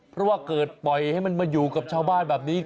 เพราะว่าเกิดปล่อยให้มันมาอยู่กับชาวบ้านแบบนี้